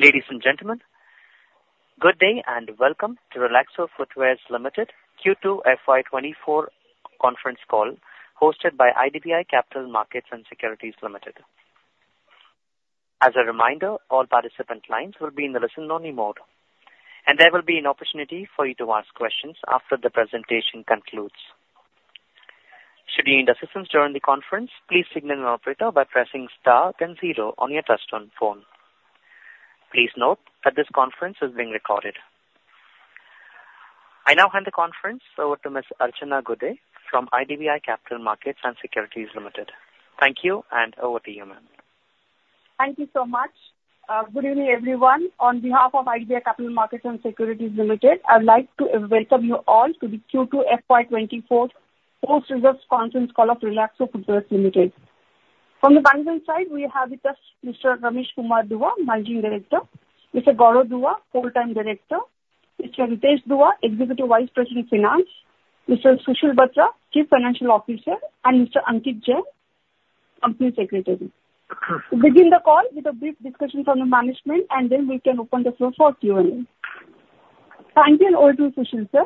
Ladies and gentlemen, good day, and welcome to Relaxo Footwears Limited Q2 FY24 Conference Call, hosted by IDBI Capital Markets and Securities Limited. As a reminder, all participant lines will be in the listen-only mode, and there will be an opportunity for you to ask questions after the presentation concludes. Should you need assistance during the conference, please signal an operator by pressing star then zero on your touchtone phone. Please note that this conference is being recorded. I now hand the conference over to Ms. Archana Gude from IDBI Capital Markets and Securities Limited. Thank you, and over to you, ma'am. Thank you so much. Good evening, everyone. On behalf of IDBI Capital Markets and Securities Limited, I would like to welcome you all to the Q2 FY 2024 post results conference call of Relaxo Footwears Limited. From the Bangalore side, we have with us Mr. Ramesh Kumar Dua, Managing Director, Mr. Gaurav Dua, Full-time Director, Mr. Ritesh Dua, Executive Vice President, Finance, Mr. Sushil Batra, Chief Financial Officer, and Mr. Ankit Jain, Company Secretary. We begin the call with a brief discussion from the management, and then we can open the floor for Q&A. Thank you, and over to you, Sushil, sir.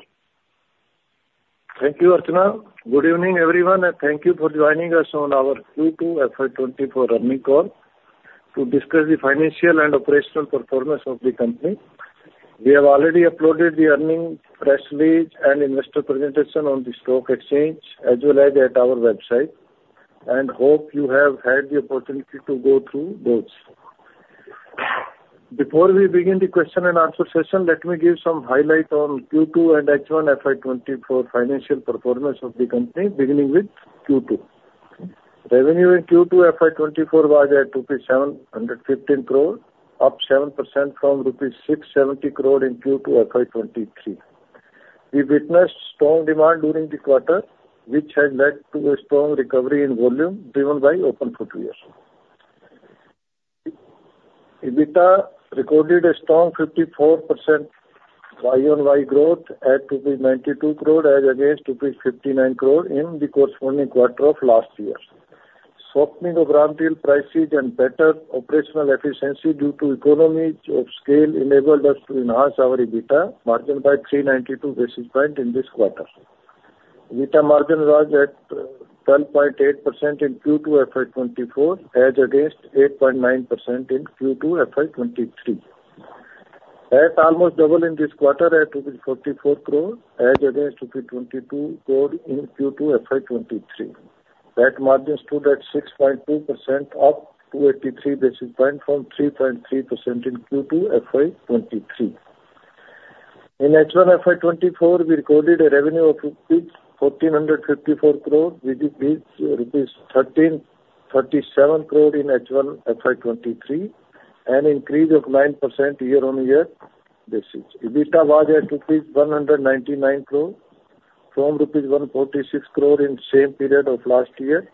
Thank you, Archana. Good evening, everyone, and thank you for joining us on our Q2 FY 2024 Earnings Call to discuss the financial and operational performance of the company. We have already uploaded the earnings press release and investor presentation on the stock exchange, as well as at our website, and hope you have had the opportunity to go through those. Before we begin the question and answer session, let me give some highlight on Q2 and H1 FY 2024 financial performance of the company, beginning with Q2. Revenue in Q2 FY 2024 was at rupees 715 crore, up 7% from rupees 670 crore in Q2 FY 2023. We witnessed strong demand during the quarter, which has led to a strong recovery in volume, driven by open footwear. EBITDA recorded a strong 54% Y-o-Y growth at INR 92 crore as against INR 59 crore in the corresponding quarter of last year. Softening of raw material prices and better operational efficiency due to economies of scale enabled us to enhance our EBITDA margin by 392 basis points in this quarter. EBITDA margin was at 12.8% in Q2 FY 2024, as against 8.9% in Q2 FY 2023. At almost double in this quarter at 44 crore, as against 22 crore in Q2 FY 2023. That margin stood at 6.2%, up 283 basis points from 3.3% in Q2 FY 2023. In H1 FY 2024, we recorded a revenue of rupees 1,454 crore, with rupees 1,337 crore in H1 FY 2023, an increase of 9% year-on-year basis. EBITDA was at rupees 199 crore, from rupees 146 crore in same period of last year,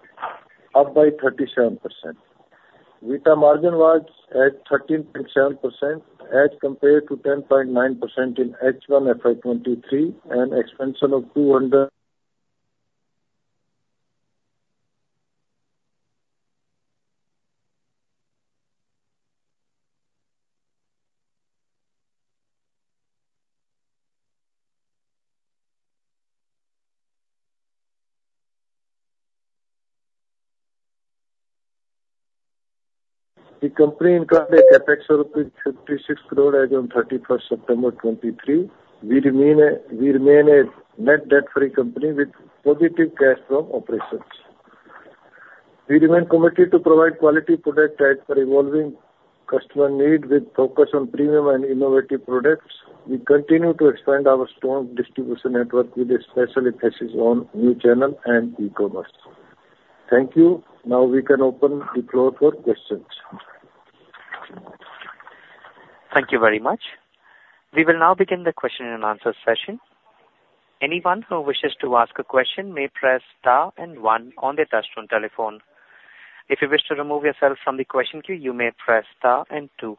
up by 37%. EBITDA margin was at 13.7%, as compared to 10.9% in H1 FY 2023, an expansion of 200... The company included CapEx INR 56 crore as on 31st September 2023. We remain a net debt-free company with positive cash from operations. We remain committed to provide quality product type for evolving customer need with focus on premium and innovative products. We continue to expand our strong distribution network with a special emphasis on new channel and e-commerce. Thank you. Now we can open the floor for questions. Thank you very much. We will now begin the question and answer session. Anyone who wishes to ask a question may press star and one on their touchtone telephone. If you wish to remove yourself from the question queue, you may press star and two.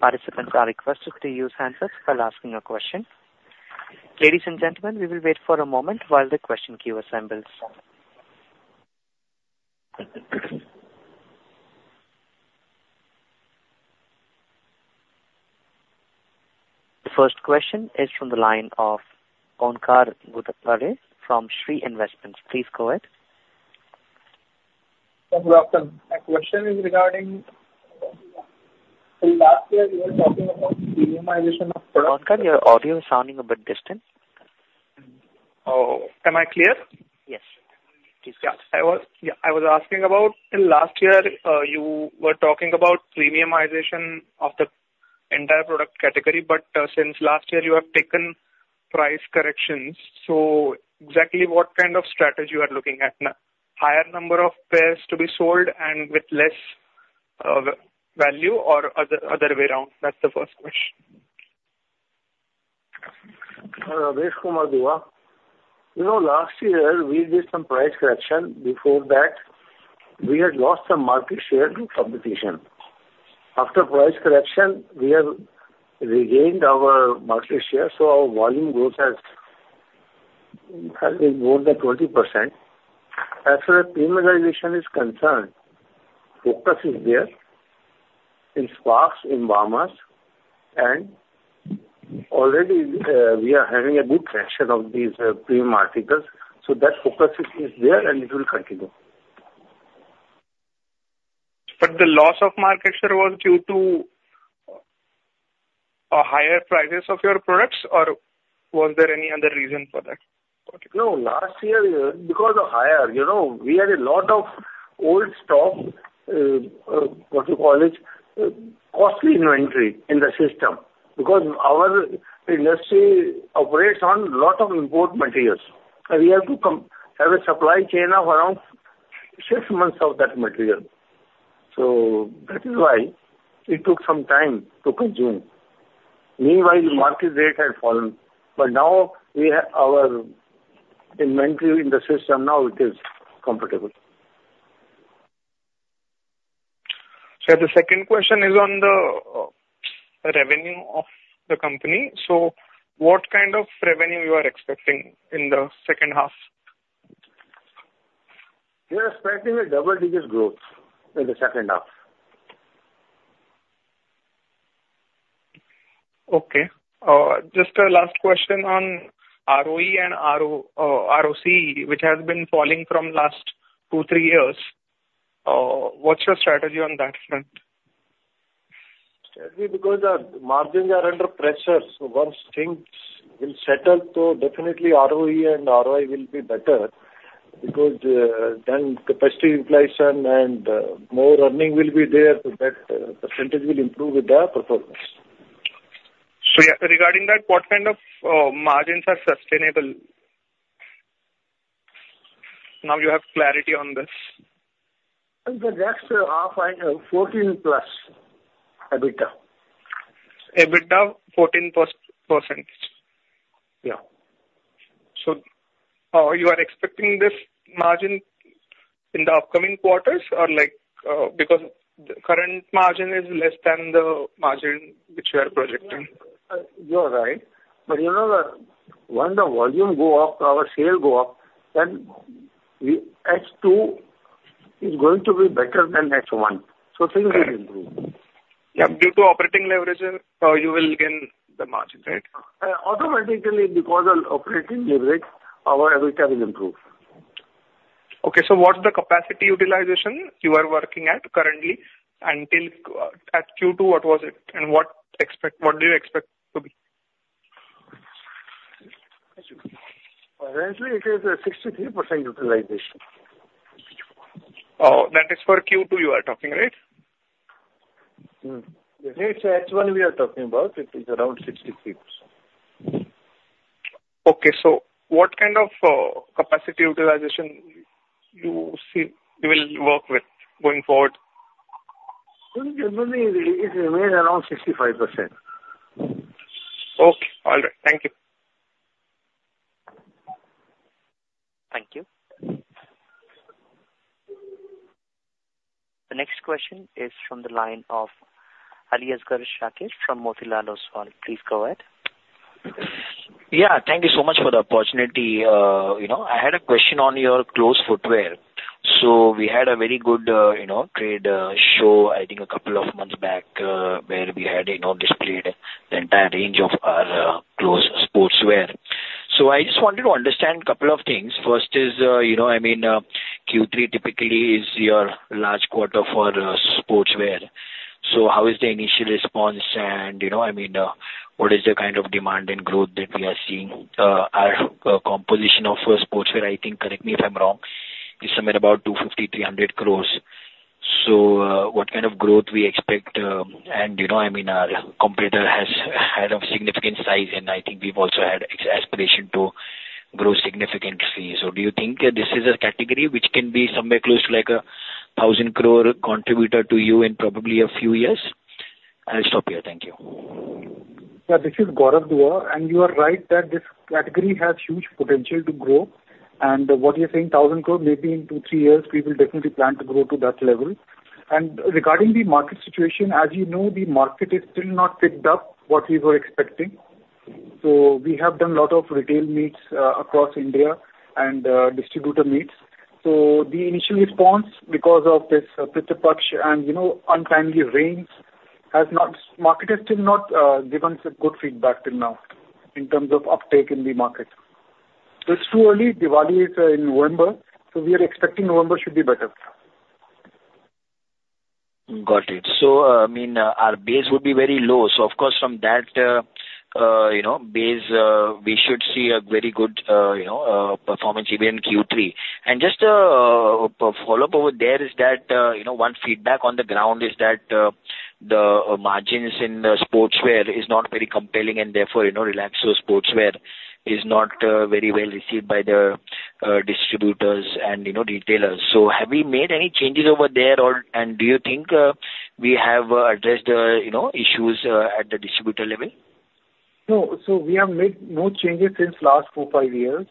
Participants are requested to use handset while asking a question. Ladies and gentlemen, we will wait for a moment while the question queue assembles. The first question is from the line of Onkar Ghugardare from Shree Investments. Please go ahead. Good afternoon. My question is regarding... So last year, you were talking about the premiumization of product- I was asking about, in last year, you were talking about premiumization of the entire product category, but, since last year, you have taken price corrections. So exactly what kind of strategy you are looking at now? Higher number of pairs to be sold and with less, value or other, other way around? That's the first question. Ramesh Kumar Dua. You know, last year we did some price correction. Before that, we had lost some market share to competition. After price correction, we have regained our market share, so our volume growth. In fact, it's more than 20%. As far as premiumization is concerned, focus is there in Sparx, in Bahamas, and already we are having a good traction of these premium articles. So that focus is, is there, and it will continue. But the loss of market share was due to a higher prices of your products, or was there any other reason for that? No, last year, because of higher, you know, we had a lot of old stock, what you call it, costly inventory in the system, because our industry operates on lot of import materials, and we have to have a supply chain of around six months of that material. So that is why it took some time to consume. Meanwhile, the market rate had fallen, but now we have our inventory in the system, now it is comfortable. So the second question is on the revenue of the company. So what kind of revenue you are expecting in the second half? We are expecting a double-digit growth in the second half. Just a last question on ROE and ROC, which has been falling from last 2, 3 years. What's your strategy on that front? Certainly, because our margins are under pressure, so once things will settle, so definitely ROE and ROI will be better because, then capacity utilization and, more earning will be there, so that percentage will improve with the performance. Regarding that, what kind of margins are sustainable? Now you have clarity on this. The rest are around 14% EBITDA. EBITDA, 14%? You are expecting this margin in the upcoming quarters or like, because the current margin is less than the margin which you are projecting? You're right. But you know, when the volume go up, our sale go up, then the H2 is going to be better than H1, so things will improve. Yeah. Due to operating leverage, you will gain the margin, right? Automatically, because of operating leverage, our EBITDA will improve. What's the capacity utilization you are working at currently, until at Q2, what was it and what do you expect to be? Currently, it is a 63% utilization. Oh, that is for Q2 you are talking, right? It's H1 we are talking about, it is around 63%. What kind of capacity utilization you see you will work with going forward? Generally, it remain around 65%. All right. Thank you. Thank you. The next question is from the line of Aliasgar Shakir from Motilal Oswal. Please go ahead. Thank you so much for the opportunity. You know, I had a question on your closed footwear. So we had a very good, you know, trade show, I think a couple of months back, where we had, you know, displayed the entire range of our, closed sportswear. So I just wanted to understand a couple of things. First is, you know, I mean, Q3 typically is your large quarter for sportswear. So how is the initial response? And, you know, I mean, what is the kind of demand and growth that we are seeing? Our contribution from sportswear, I think, correct me if I'm wrong, is somewhere about 250-300 crore. So, what kind of growth we expect? Our competitor has had a significant size, and I think we've also had aspiration to grow significantly. So do you think this is a category which can be somewhere close to, like, 1,000 crore contributor to you in probably a few years? I'll stop here. Thank you. This is Gaurav Dua, and you are right that this category has huge potential to grow. What you're saying, 1,000 crore, maybe in two, three years, we will definitely plan to grow to that level. Regarding the market situation, as you know, the market is still not picked up what we were expecting. We have done a lot of retail meets across India and distributor meets. The initial response, because of this Pitru Paksh and, you know, untimely rains, has not. Market has still not given a good feedback till now in terms of uptake in the market. It's too early. Diwali is in November, so we are expecting November should be better. Got it. So, I mean, our base would be very low. So of course, from that, you know, base, we should see a very good, you know, performance even in Q3. And just, follow up over there is that, you know, one feedback on the ground is that, the margins in the sportswear is not very compelling and therefore, you know, Relaxo sportswear is not, very well received by the, distributors and, you know, retailers. So have we made any changes over there or, and do you think, we have, addressed, you know, issues, at the distributor level? No. We have made no changes since last 4-5 years.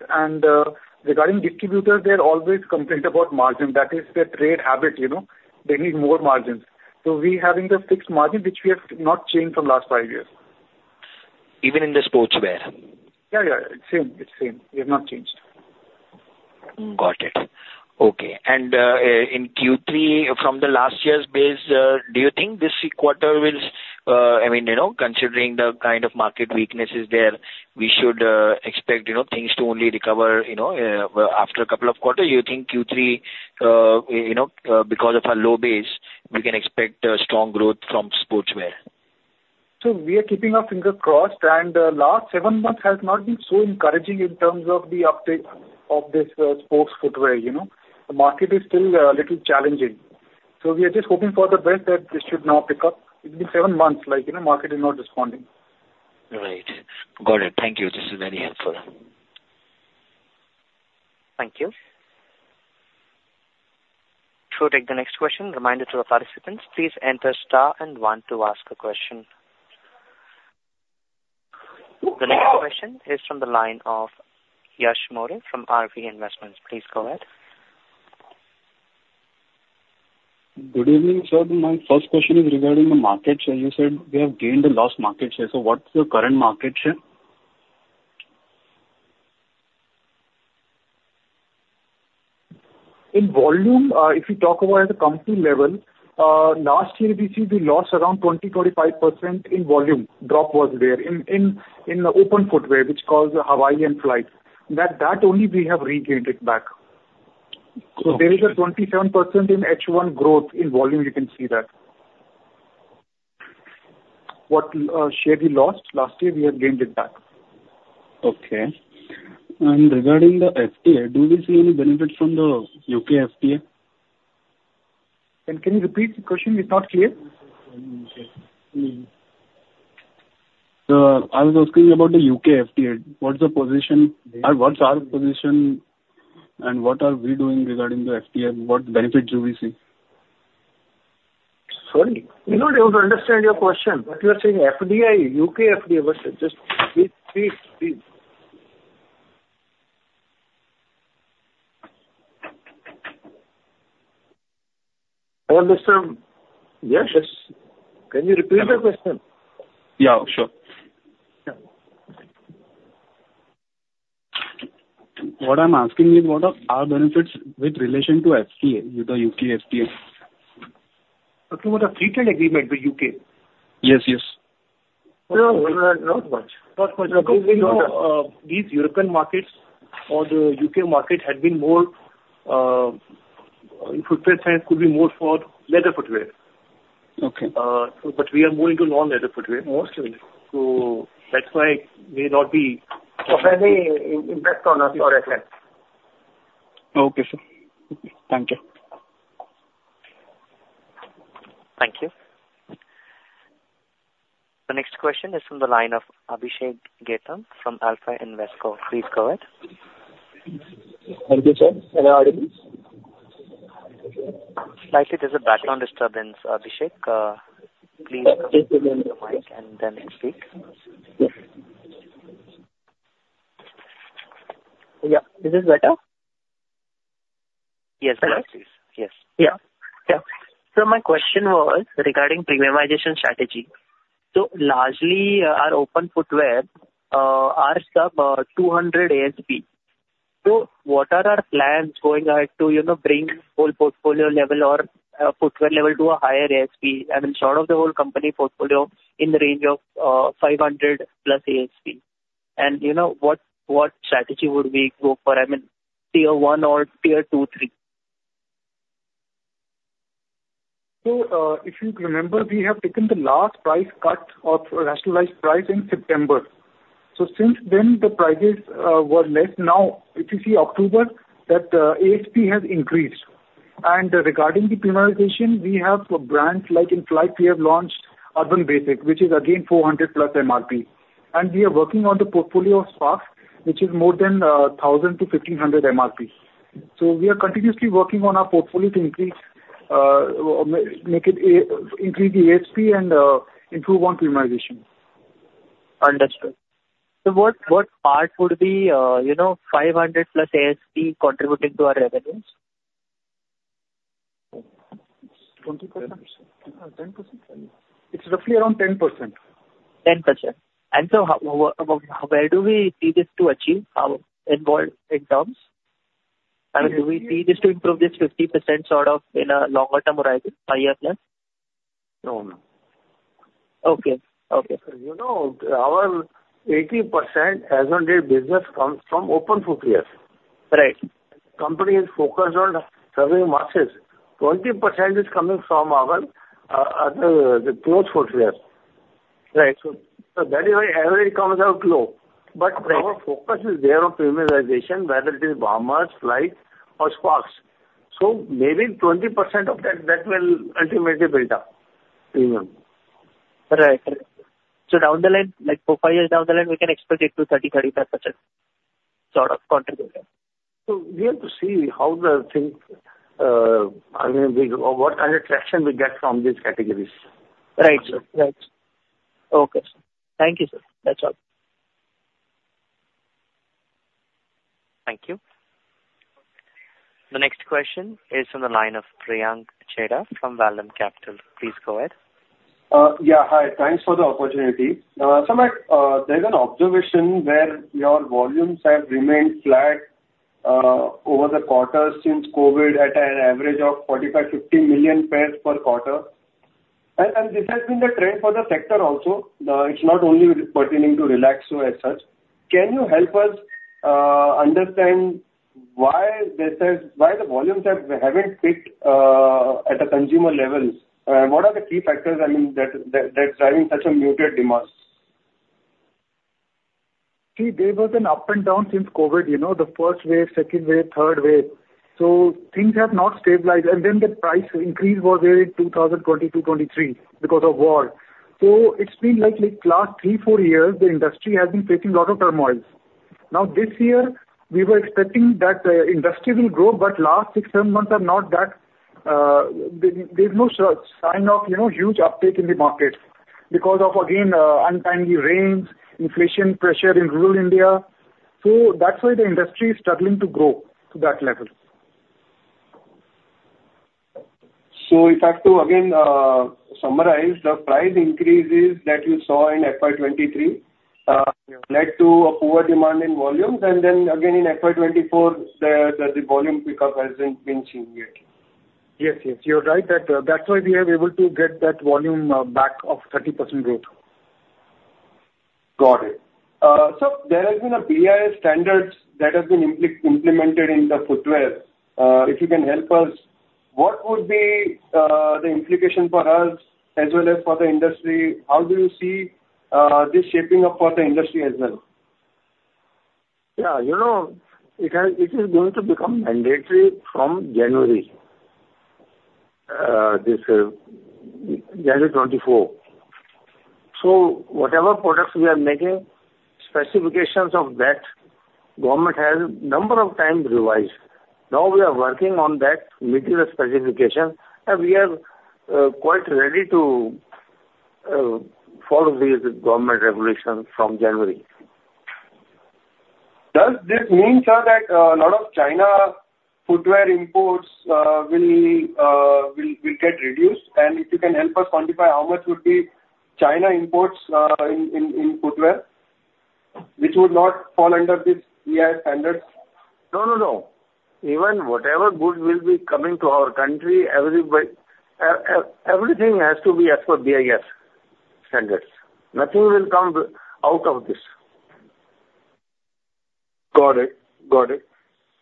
Regarding distributors, they're always concerned about margin. That is their trade habit, you know? They need more margins. We're having the fixed margin, which we have not changed from last 5 years. Even in the sportswear? It's same, it's same. We have not changed. Got it. And, in Q3 from the last year's base, do you think this quarter will, I mean, you know, considering the kind of market weaknesses there, we should, expect, you know, things to only recover, you know, after a couple of quarters? You think Q3, you know, because of our low base, we can expect a strong growth from sportswear. So we are keeping our fingers crossed, and last seven months has not been so encouraging in terms of the uptake of this sports footwear, you know? The market is still little challenging. So we are just hoping for the best that this should now pick up. It's been seven months, like, you know, market is not responding. Right. Got it. Thank you. This is very helpful. Thank you. So take the next question. Reminder to the participants, please enter star and one to ask a question. The next question is from the line of Yash More from RV Investments. Please go ahead. Good evening, sir. My first question is regarding the market share. You said you have gained and lost market share, so what's your current market share? In volume, if you talk about at the company level, last year we see we lost around 20-35% in volume, drop was there in the open footwear, which caused Hawaii and Flite. That only we have regained it back. So there is a 27% in H1 growth in volume, you can see that. What share we lost last year, we have gained it back. What I'm asking is, what are our benefits with relation to FTA, with the U.K. FTA? With the free trade agreement with UK? Yes. Not much. These European markets or the U.K. market had been more in footwear. They could be more for leather footwear. But we are moving to non-leather footwear mostly. So that's why may not be impact on us or FTA. Okay, sir. Thank you. Thank you. The next question is from the line of Abhishek Getam from Alpha Invest. Please go ahead So my question was regarding premiumization strategy. So largely, our open footwear are sub 200 ASP. So what are our plans going out to, you know, bring whole portfolio level or footwear level to a higher ASP? I mean, sort of the whole company portfolio in the range of 500+ ASP. And you know, what strategy would we go for? I mean, Tier 1 or Tier 2, 3. So, if you remember, we have taken the last price cut of rationalized price in September. So since then, the prices were less. Now, if you see October, that the ASP has increased. And regarding the premiumization, we have brands, like in Flite, we have launched Urban Basic, which is again, 400+ MRP. And we are working on the portfolio of Sparx, which is more than 1,000-1,500 MRP. So we are continuously working on our portfolio to increase, make it, increase the ASP and improve on premiumization. Understood. So what, what part would be, you know, 500 plus ASP contributing to our revenues? 20%. It's roughly around 10%. 10%. And so how, where do we see this to achieve, in volume, in terms? I mean, do we see this to improve this 50% sort of in a longer term horizon, five years plus? our 80% as on date business comes from open footwear. Right. Company is focused on serving markets. 20% is coming from our other the closed footwear. That is why average comes out low. But our focus is there on premiumization, whether it is Bahamas, Flite or Sparx. So maybe 20% of that, that will ultimately build up premium. Right. Right. So down the line, like for 5 years down the line, we can expect it to 30%-35% sort of contribution. We have to see how the things what kind of traction we get from these categories. ROkay, sir. Thank you, sir. That's all. Thank you. The next question is on the line of Priyank Chheda from Vallum Capital. Please go ahead. Thanks for the opportunity. So Matt, there's an observation where your volumes have remained flat over the quarter since COVID at an average of 45-50 million pairs per quarter. And this has been the trend for the sector also. It's not only pertaining to Relaxo as such. Can you help us understand why the volumes haven't picked at a consumer level? What are the key factors, I mean, that's driving such a muted demand? See, there was an up and down since COVID, you know, the first wave, second wave, third wave, so things have not stabilized. And then the price increase was there in 2020 to 2023 because of war. So it's been like last 3, 4 years, the industry has been facing a lot of turmoils. Now, this year, we were expecting that the industry will grow, but last 6, 7 months are not that, there's no sign of, you know, huge uptake in the market because of, again, untimely rains, inflation pressure in rural India. So that's why the industry is struggling to grow to that level. So if I have to, again, summarize, the price increases that you saw in FY 2023 led to a poor demand in volumes, and then again in FY 2024, the volume pickup hasn't been seen yet. You're right. That's why we are able to get that volume, back of 30% growth. Got it. So there has been a BIS standards that has been implemented in the footwear. If you can help us, what would be the implication for us as well as for the industry? How do you see this shaping up for the industry as well? YeaIt has, it is going to become mandatory from January, this January 2024. So whatever products we are making, specifications of that, government has number of times revised. Now we are working on that material specification, and we are, quite ready to, follow the government regulation from January. Does this mean, sir, that a lot of China footwear imports will get reduced? And if you can help us quantify how much would be China imports in footwear, which would not fall under this BIS standards? No. Even whatever goods will be coming to our country, everybody, everything has to be as per BIS standards. Nothing will come out of this. Got it.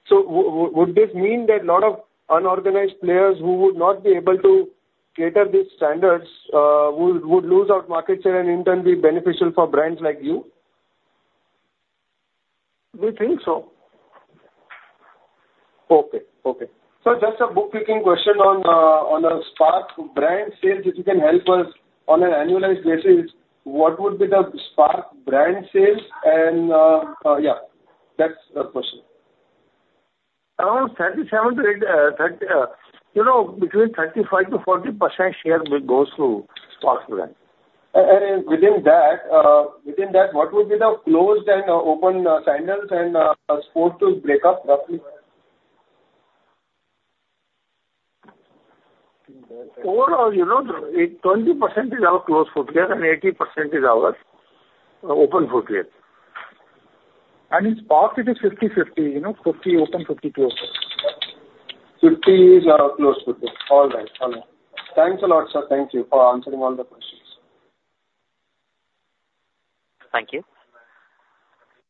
So would this mean that a lot of unorganized players who would not be able to cater these standards would lose out market share and in turn be beneficial for brands like you? We think so. So just a bookkeeping question on the Sparx brand sales, if you can help us on an annualized basis, what would be the Sparx brand sales? And yeah, that's the question. Around 37%-38%, 30%, between 35-40% share will goes through Sparx brand. And within that, what would be the closed and open sandals and sports shoes breakup, roughly? Overall, you know, 20% is our closed footwear, and 80% is our open footwear. And in Sparx it is 50/50, 50 is our closed footwear. All right. Thanks a lot, sir. Thank you for answering all the questions. Thank you.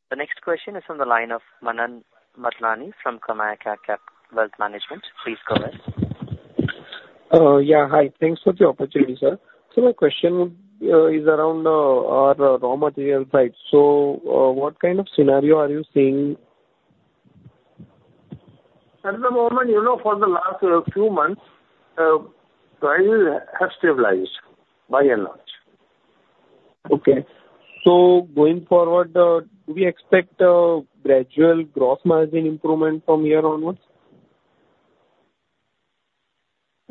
The next question is from the line of Manan Madlani from KamakKya Wealth Management. Please go ahead. Yeah, hi. Thanks for the opportunity, sir. So my question is around our raw material price. So, what kind of scenario are you seeing? At the moment, you know, for the last few months, prices have stabilized, by and large. So going forward, do we expect a gradual gross margin improvement from here onwards?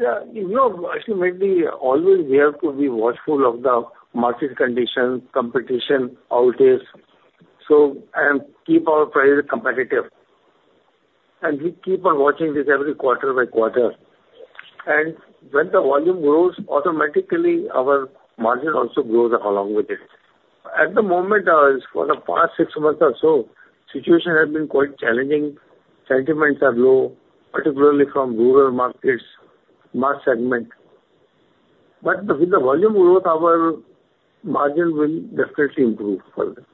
Ultimately, always we have to be watchful of the market conditions, competition, how it is, so, and keep our prices competitive. We keep on watching this every quarter by quarter. When the volume grows, automatically our margin also grows along with it. At the moment, for the past six months or so, situation has been quite challenging. Sentiments are low, particularly from rural markets, mass segment. But with the volume growth, our margin will definitely improve further.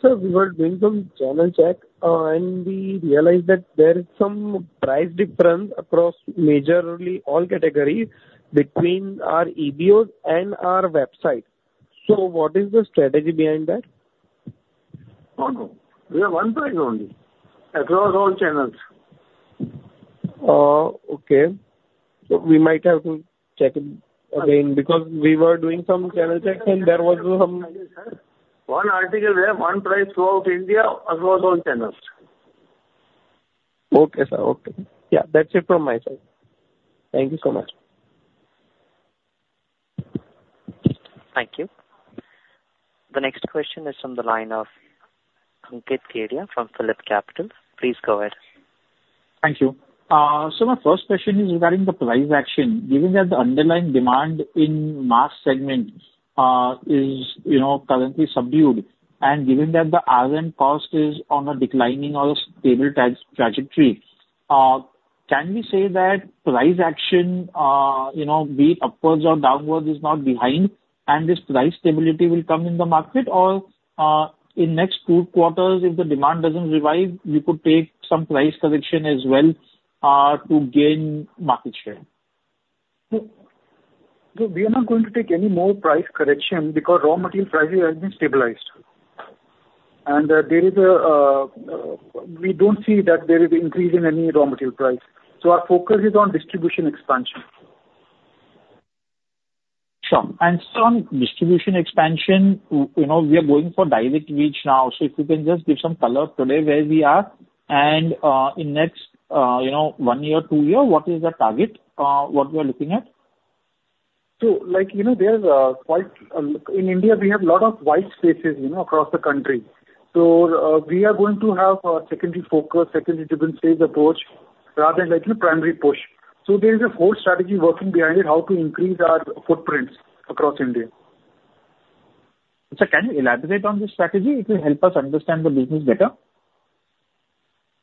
Sir, we were doing some channel check, and we realized that there is some price difference across majorly all categories between our EBOs and our website. So what is the strategy behind that? No. We have one price only, across all channels. We might have to check it again, because we were doing some channel checks, and there was some- One article, we have one price throughout India, across all channels. That's it from my side. Thank you so much. Thank you. The next question is from the line of Ankit Kedia from Phillip Capital. Please go ahead. Thank you. So my first question is regarding the price action, given that the underlying demand in mass segment, you know, is currently subdued, and given that the RM cost is on a declining or a stable trajectory, can we say that price action, you know, be it upwards or downwards, is now behind, and this price stability will come in the market? Or, in next two quarters, if the demand doesn't revive, we could take some price correction as well, to gain market share. So we are not going to take any more price correction because raw material prices has been stabilized. And, there is a, we don't see that there is increase in any raw material price. So our focus is on distribution expansion. Sure. And sir, on distribution expansion, you know, we are going for direct reach now. So if you can just give some color today where we are, and in next, you know, one year or two year, what is the target, what we are looking at? In India, we have a lot of wide spaces, you know, across the country. So, we are going to have a secondary focus, secondary distribution stage approach, rather than like a primary push. So there is a whole strategy working behind it, how to increase our footprints across India. Sir, can you elaborate on this strategy? It will help us understand the business better.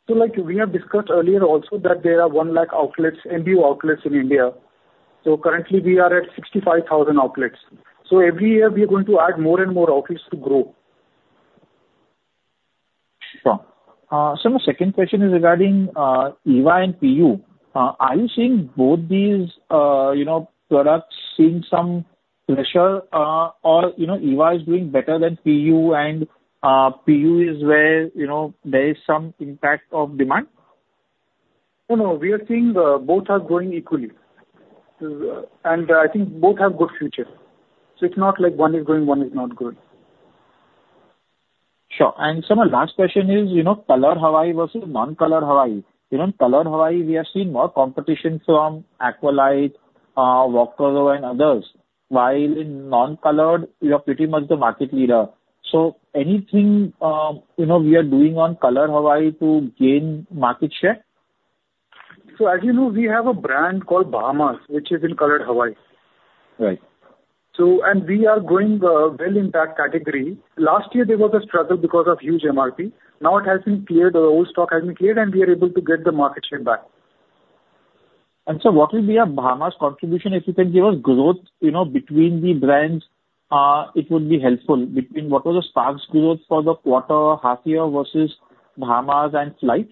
Like, we have discussed earlier also, that there are 100,000 outlets, MBO outlets in India. Currently, we are at 65,000 outlets. Every year we are going to add more and more outlets to grow. Sure. So my second question is regarding EVA and PU. Are you seeing both these, you know, products seeing some pressure, or, you know, EVA is doing better than PU and PU is where, you know, there is some impact of demand? No, we are seeing both are growing equally. And I think both have good future. So it's not like one is growing, one is not growing. Sure. And sir, my last question is: you know, colored Hawaii versus non-colored Hawaii. You know, in colored Hawaii, we have seen more competition from Aqualite, Walkaroo and others. While in non-colored, we are pretty much the market leader. So anything, you know, we are doing on colored Hawaii to gain market share? As you know, we have a brand called Bahamas, which is in colored Hawaii. Right. We are growing well in that category. Last year, there was a struggle because of huge MRP. Now it has been cleared, the old stock has been cleared, and we are able to get the market share back. Sir, what will be Bahamas contribution? If you can give us growth, you know, between the brands, it would be helpful. Between what was the Sparx growth for the quarter, half year versus Bahamas and Flite?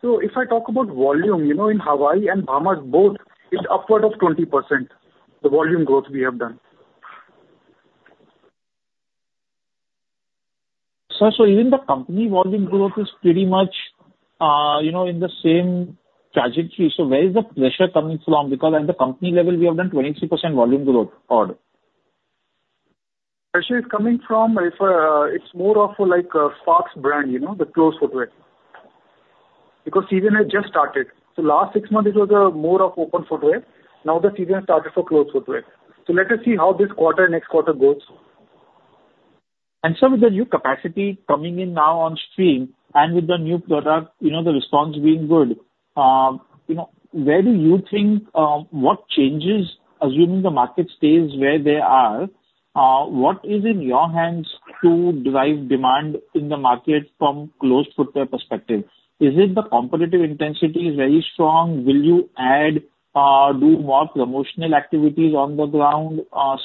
If I talk about volume, you know, in Hawaii and Bahamas both, it's upward of 20%, the volume growth we have done. Sir, so even the company volume growth is pretty much, you know, in the same trajectory. So where is the pressure coming from? Because at the company level, we have done 23% volume growth odd. Pressure is coming from, if, it's more of like a Sparx brand, you know, the closed footwear. Because season has just started. So last six months, it was, more of open footwear. Now the season has started for closed footwear. So let us see how this quarter and next quarter goes. Sir, with the new capacity coming in now on stream and with the new product, you know, the response being good, you know, where do you think, what changes, assuming the market stays where they are, what is in your hands to drive demand in the market from closed footwear perspective? Is it the competitive intensity is very strong? Will you add, do more promotional activities on the ground,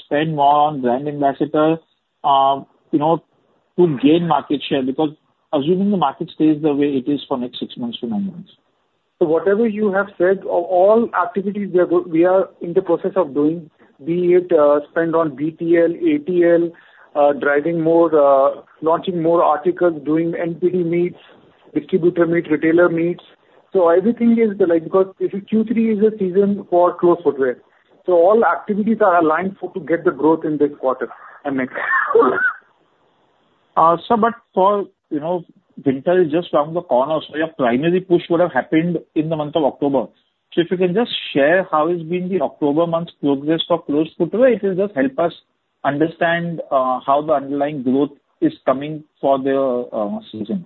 spend more on brand ambassador, you know, to gain market share? Because assuming the market stays the way it is for next 6-9 months. So whatever you have said, all activities we are in the process of doing, be it, spend on BTL, ATL, driving more, launching more articles, doing NPD meets, distributor meets, retailer meets. So everything is like... Because if Q3 is a season for closed footwear, so all activities are aligned for to get the growth in this quarter and next. Sir, but for, you know, winter is just around the corner, so your primary push would have happened in the month of October. So if you can just share how it's been the October month's progress for closed footwear, it will just help us understand how the underlying growth is coming for the season.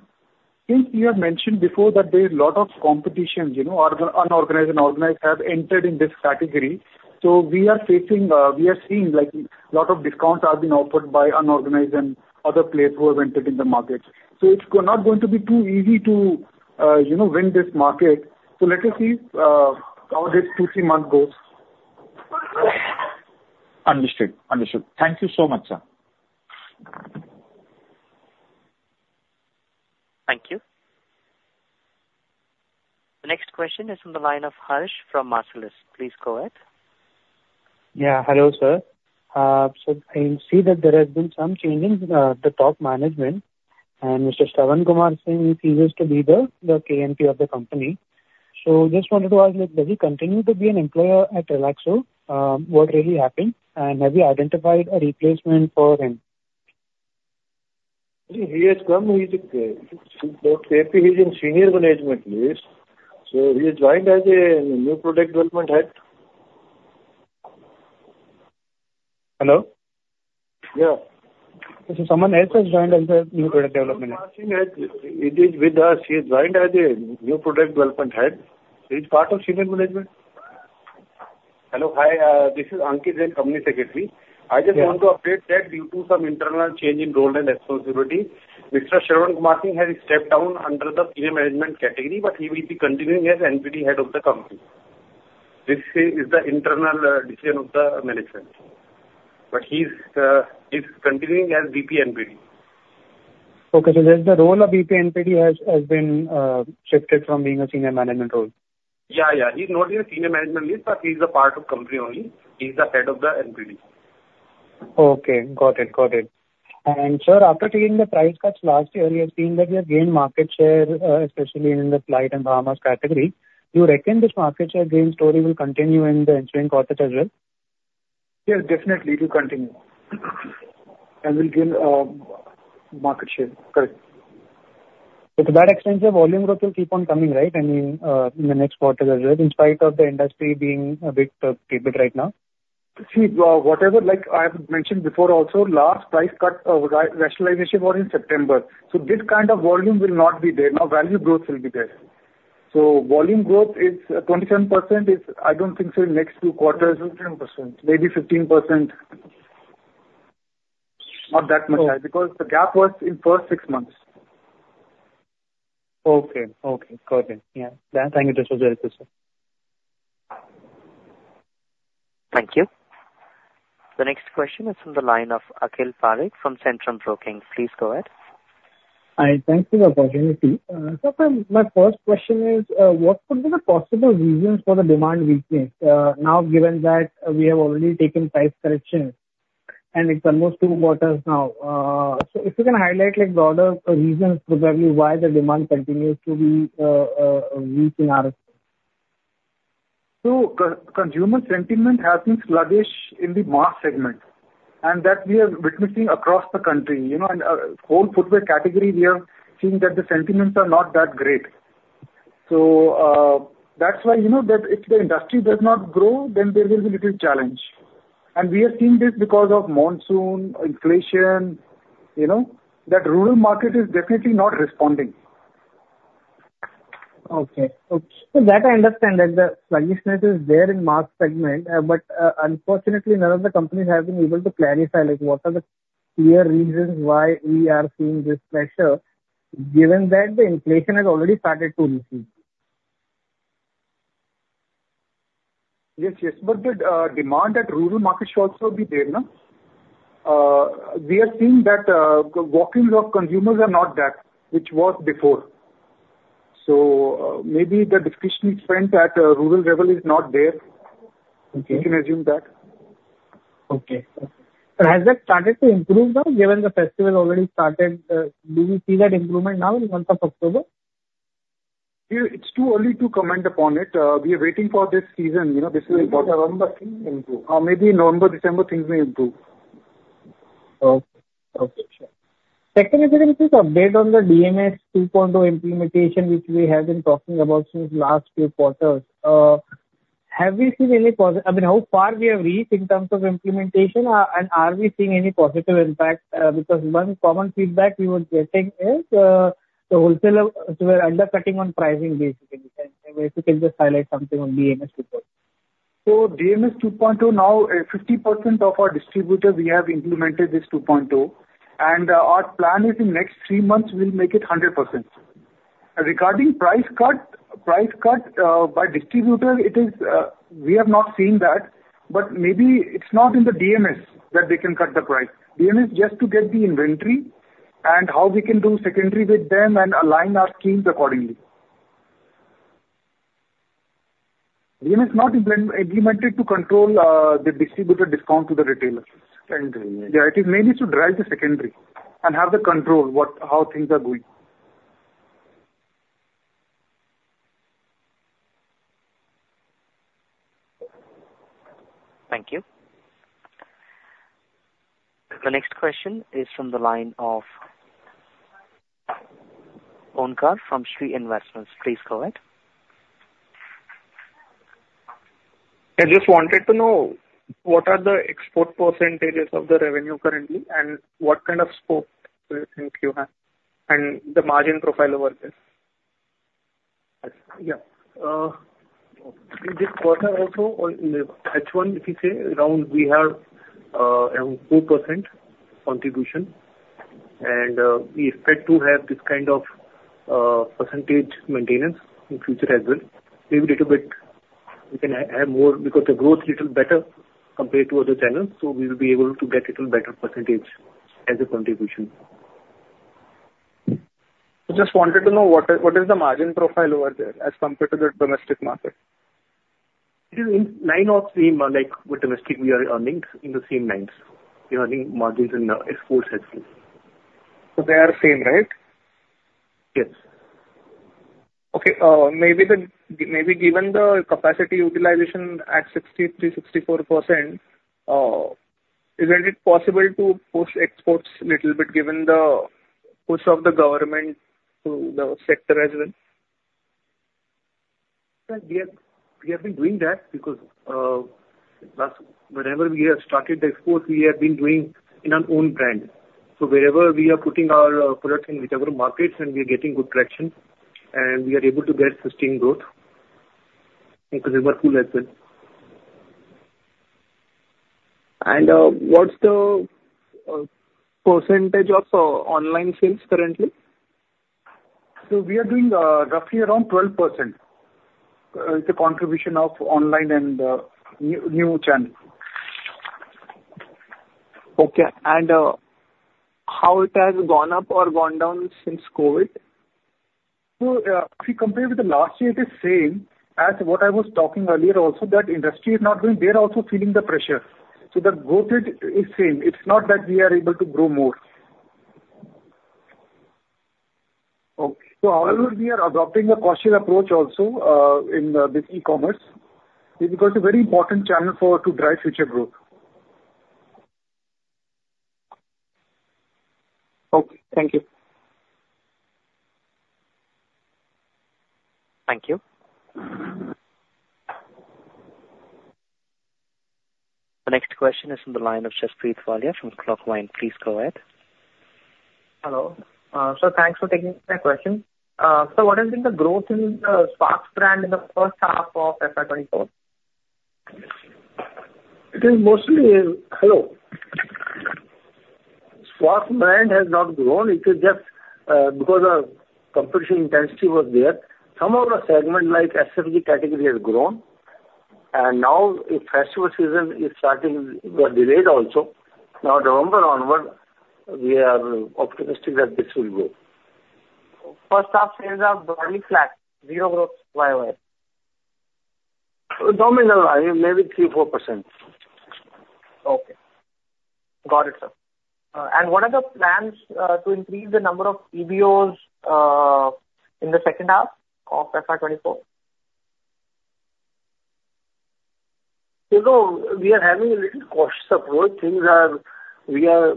Since you have mentioned before that there is a lot of competition, you know, unorganized and organized have entered in this category. So we are facing, we are seeing, like, lot of discounts are being offered by unorganized and other players who have entered in the market. So it's not going to be too easy to, you know, win this market. So let us see, how this 2, 3 month goes. Understood. Understood. Thank you so much, sir. Thank you. The next question is from the line of Harsh from Marcellus. Please go ahead. Yeah, hello, sir. So I see that there has been some changes in the top management, and Mr. Shravan Kumar Singh ceased to be the KMP of the company. So just wanted to ask, like, does he continue to be an employer at Relaxo? What really happened, and have you identified a replacement for him? He's in senior management list, so he has joined as a new product development head. Someone has just joined as a new product development head. He is with us. He has joined as a new product development head. He's part of senior management. Hello. Hi, this is Ankit, the Company Secretary. I just want to update that due to some internal change in role and responsibility, Mr. Shravan Kumar Singh has stepped down under the senior management category, but he will be continuing as NPD head of the company. This is the internal decision of the management. But he's, he's continuing as VP NPD. So just the role of VP NPD has been shifted from being a senior management role? He's not in the senior management list, but he's a part of company only. He's the head of the NPD. Got it. And sir, after taking the price cuts last year, we have seen that we have gained market share, especially in the Flite and Bahamas category. Do you reckon this market share gain story will continue in the ensuing quarter as well? Yes, definitely it will continue. And we'll gain market share, correct? With that extension, volume growth will keep on coming, right? I mean, in the next quarter as well, in spite of the industry being a bit tepid right now. See, whatever like I have mentioned before also, last price cut rationalization was in September, so this kind of volume will not be there. Now value growth will be there. So volume growth is 27% is I don't think so in next two quarters, 20%, maybe 15%. Not that much high, because the gap was in first six months. Thank you. That was very good, sir. Thank you. The next question is from the line of Akhil Parekh from Centrum Broking. Please go ahead. Hi, thank you for the opportunity. Sir, my first question is, what could be the possible reasons for the demand weakness, now, given that we have already taken price correction and it's almost two quarters now? So if you can highlight, like, the other reasons probably why the demand continues to be, weak in our end. So consumer sentiment has been sluggish in the mass segment, and that we are witnessing across the country. You know, in whole footwear category, we are seeing that the sentiments are not that great. So, that's why, you know, that if the industry does not grow, then there will be little challenge. And we are seeing this because of monsoon, inflation, you know? That rural market is definitely not responding. So that I understand, that the sluggishness is there in mass segment, but, unfortunately, none of the companies have been able to clarify, like, what are the clear reasons why we are seeing this pressure, given that the inflation has already started to recede. Yes, yes, but the demand at rural market should also be there, no? We are seeing that the walking of consumers are not that which was before. So, maybe the discretionary spend at a rural level is not there. Okay. You can assume that. But has that started to improve now, given the festival already started? Do you see that improvement now in the month of October? It's too early to comment upon it. We are waiting for this season, you know, this is important. November things improve. Maybe November, December things may improve. Secondly, can you please update on the DMS 2.0 implementation, which we have been talking about since last few quarters. I mean, how far we have reached in terms of implementation, and are we seeing any positive impact? Because one common feedback we were getting is, the wholesaler were undercutting on pricing basically. If you can just highlight something on DMS 2.0. So DMS 2.0, now, 50% of our distributors we have implemented this 2.0, and, our plan is in next three months we'll make it 100%. Regarding price cut, price cut, by distributor, it is, we have not seen that, but maybe it's not in the DMS that they can cut the price. DMS just to get the inventory and how we can do secondary with them and align our schemes accordingly. DMS is not implemented to control, the distributor discount to the retailers. Secondary, yes. Yeah, it is mainly to drive the secondary and have the control what, how things are going. Thank you. The next question is from the line of Onkar from Shree Investments. Please go ahead. I just wanted to know, what are the export percentages of the revenue currently? What kind of scope do you think you have and the margin profile over there? Yeah. This quarter also on H1, if you say, around we have around 2% contribution, and we expect to have this kind of percentage maintenance in future as well. Maybe little bit we can have more because the growth little better compared to other channels, so we will be able to get little better percentage as a contribution. Just wanted to know what are, what is the margin profile over there as compared to the domestic market? It is in line or same, like with domestic, we are earning in the same lines. We are earning margins in the exports as well. They are same, right? Yes. Maybe given the capacity utilization at 63%-64%, isn't it possible to push exports little bit, given the push of the government to the sector as well? We have, we have been doing that because whenever we have started the export, we have been doing in our own brand. So wherever we are putting our product in whichever markets and we are getting good traction, and we are able to get sustained growth because they were cool as well. What's the percentage of online sales currently? We are doing roughly around 12%, the contribution of online and new channels. And, how it has gone up or gone down since COVID? So, if you compare with the last year, it is same. As what I was talking earlier also, that industry is not doing... They're also feeling the pressure. So the growth rate is same. It's not that we are able to grow more. So however, we are adopting a cautious approach also in this e-commerce, because a very important channel for to drive future growth. Thank you. Thank you. The next question is from the line of Jasdeep Walia from Clockvine. Please go ahead. Hello. Sir, thanks for taking my question. So what has been the growth in the Sparx brand in the first half of FY 24? Hello. Sparx brand has not grown, it is just, because of competition intensity was there. Some of the segment, like SSG category, has grown, and now festival season is starting, but delayed also. Now November onward, we are optimistic that this will grow. First half sales are very flat, 0 growth year-over-year. nominal, maybe 3-4%. Got it, sir. And what are the plans to increase the number of PBOs in the second half of FY 2024? We are having a little cautious approach. Things are... We are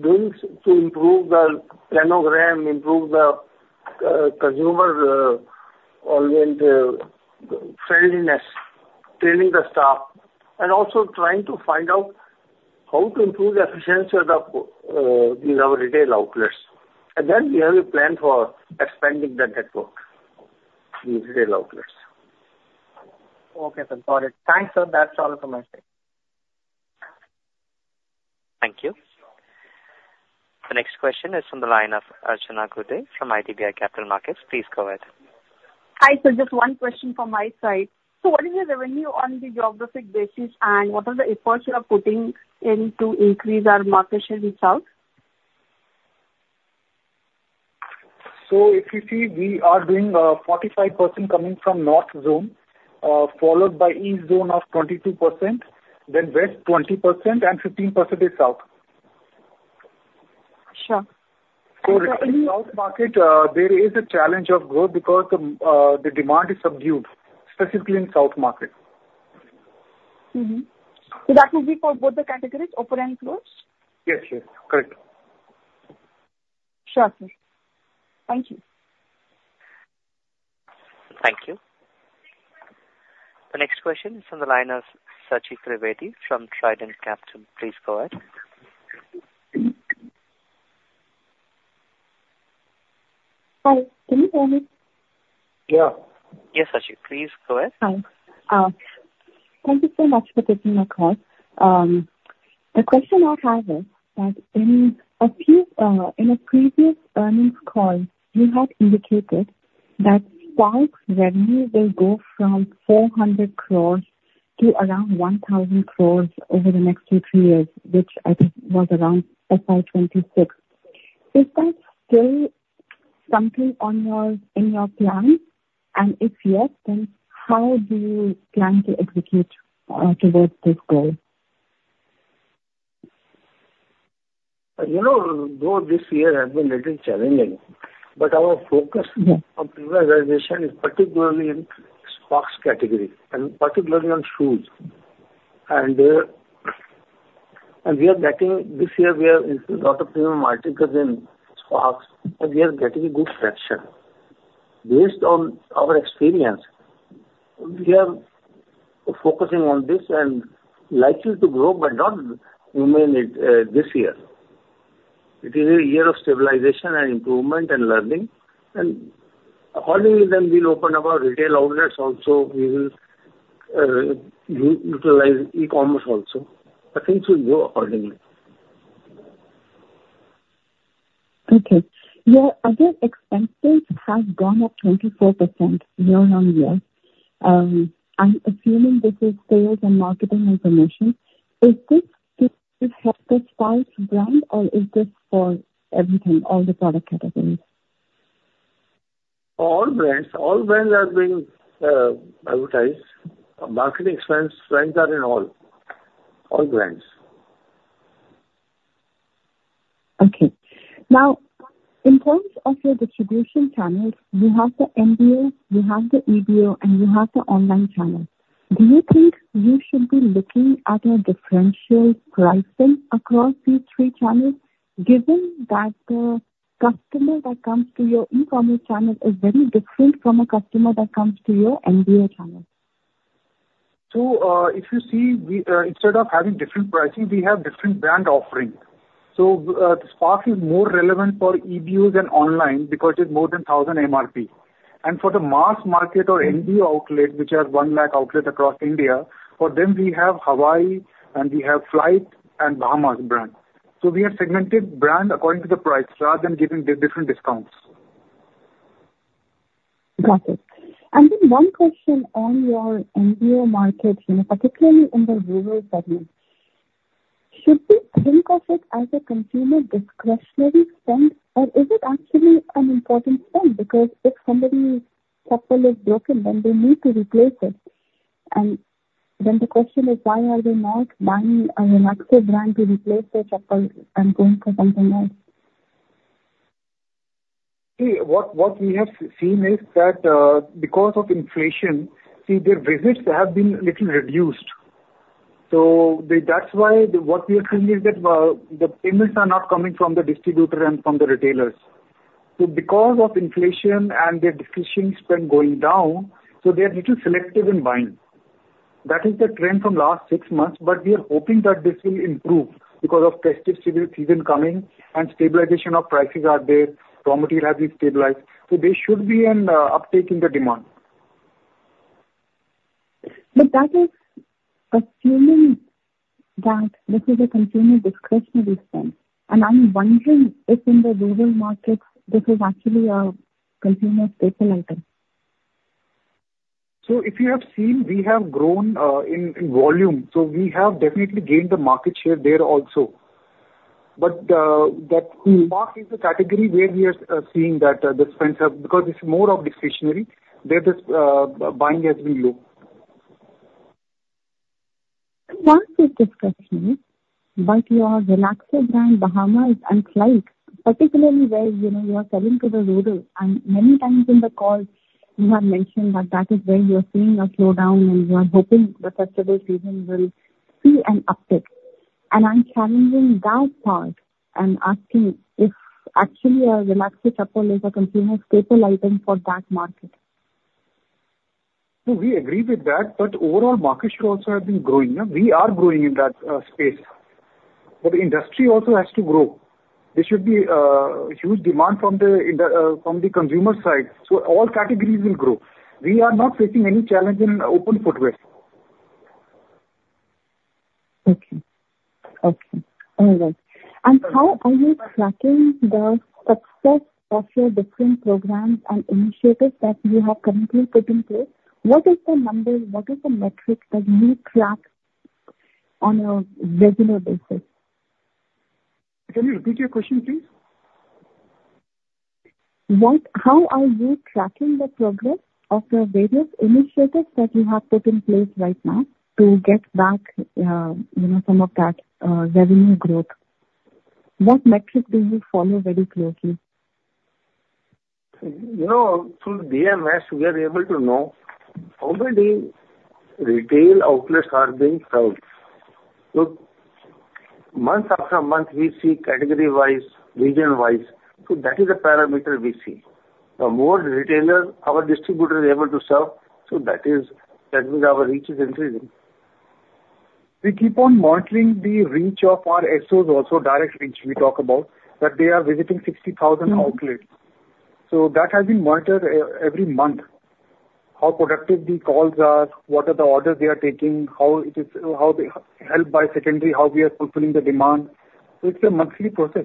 doing to improve the planogram, improve the consumer-friendliness, training the staff, and also trying to find out how to improve the efficiency in our retail outlets. Then we have a plan for expanding the network in retail outlets. Got it. Thanks, sir. That's all from my side. Thank you. The next question is from the line of Archana Gude from IDBI Capital Markets. Please go ahead. Hi, sir, just one question from my side. So what is your revenue on the geographic basis, and what are the efforts you are putting in to increase our market share result? If you see, we are doing 45% coming from North Zone, followed by East Zone of 22%, then West, 20%, and 15% is South. Sure. So, South market, there is a challenge of growth because the demand is subdued, specifically in South market. So that will be for both the categories, upper and clothes? Correct. Sure, sir. Thank you. Thank you. The next question is from the line of Sachee Trivedi from Trident Capital. Please go ahead. Hi. Thank you so much for taking my call. The question I have is that in a few, in a previous earnings call, you had indicated that Sparx revenue will go from 400 crore to around 1,000 crore over the next 2-3 years, which I think was around FY 2026. Is that still something on your, in your plans? And if yes, then how do you plan to execute towards this goal? You know, though this year has been a little challenging, but our focus, our prioritization is particularly in Sparx category, and particularly on shoes. And, and we are getting this year, we have increased a lot of new articles in Sparx, and we are getting a good traction. Based on our experience, we are focusing on this and likely to grow, but not remain it, this year. It is a year of stabilization and improvement and learning, and accordingly, then we'll open up our retail outlets also, we will, utilize e-commerce also. But things will grow accordingly. Your other expenses have gone up 24% year-on-year. I'm assuming this is sales and marketing information. Is this to help the Sparx brand, or is this for everything, all the product categories? All brands. All brands are being advertised. Marketing expense, brands are in all, all brands. Now, in terms of your distribution channels, you have the MBO, you have the EBO, and you have the online channel. Do you think you should be looking at a differential pricing across these three channels, given that the customer that comes to your e-commerce channel is very different from a customer that comes to your MBO channel? So, if you see, we, instead of having different pricing, we have different brand offerings. So, Sparx is more relevant for EBOs than online because it's more than 1,000 MRP. And for the mass market or MBO outlet, which has 100,000 outlets across India, for them, we have Hawaii, and we have Flite and Bahamas brand. So we have segmented brand according to the price rather than giving the different discounts. Got it. Then one question on your MBO market, you know, particularly in the rural segment. Should we think of it as a consumer discretionary spend, or is it actually an important spend? Because if somebody's chappal is broken, then they need to replace it. And then the question is: Why are they not buying a Relaxo brand to replace the chappal and going for something else? See, what we have seen is that, because of inflation, see, their visits have been little reduced. So that's why what we are seeing is that, the payments are not coming from the distributor and from the retailers. So because of inflation and their discretionary spend going down, so they're a little selective in buying. That is the trend from last six months, but we are hoping that this will improve because of festive season coming and stabilization of prices are there, raw material has been stabilized, so there should be an uptake in the demand. But that is assuming that this is a consumer discretionary spend, and I'm wondering if in the rural markets, this is actually a consumer staple item. So if you have seen, we have grown in volume, so we have definitely gained the market share there also. But, that Sparx is a category where we are seeing that the spends have... Because it's more of discretionary, there the buying has been low. That is discretionary, but your Relaxo brand, Bahamas and Flite, particularly where, you know, you are selling to the rural, and many times in the calls you have mentioned that that is where you are seeing a slowdown, and you are hoping the festive season will see an uptick. I'm challenging that part and asking if actually a Relaxo chappal is a consumer staple item for that market. No, we agree with that, but overall market share also have been growing, yeah? We are growing in that space, but the industry also has to grow. There should be huge demand from the, in the, from the consumer side, so all categories will grow. We are not facing any challenge in open footwear. All right. And how are you tracking the success of your different programs and initiatives that you have currently put in place? What is the numbers? What is the metrics that you track on a regular basis? Can you repeat your question, please? How are you tracking the progress of the various initiatives that you have put in place right now to get back, you know, some of that revenue growth? What metrics do you follow very closely? You know, through DMS, we are able to know how many retail outlets are being served. So month after month, we see category-wise, region-wise, so that is the parameter we see. The more retailers our distributor is able to serve, so that is, that means our reach is increasing. We keep on monitoring the reach of our SOs also, direct reach we talk about, that they are visiting 60,000 outlets. So that has been monitored every month. How productive the calls are, what are the orders they are taking, how it is... How they helped by secondary, how we are fulfilling the demand. So it's a monthly process.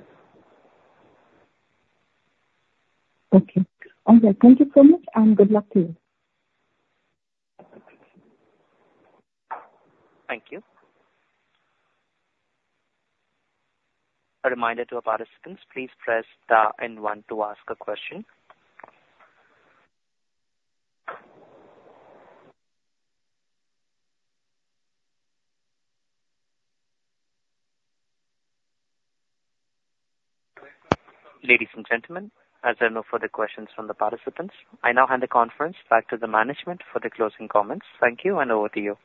All right, thank you so much, and good luck to you. Thank you. A reminder to our participants, please press star and one to ask a question. Ladies and gentlemen, as there are no further questions from the participants, I now hand the conference back to the management for the closing comments. Thank you, and over to you.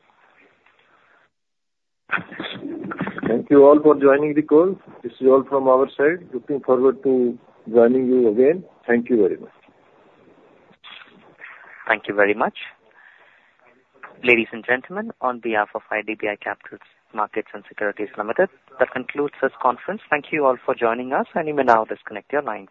Thank you all for joining the call. This is all from our side. Looking forward to joining you again. Thank you very much. Thank you very much. Ladies and gentlemen, on behalf of IDBI Capital Markets & Securities Ltd., that concludes this conference. Thank you all for joining us, and you may now disconnect your lines.